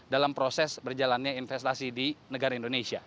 dalam proses berjalannya investasi di negara indonesia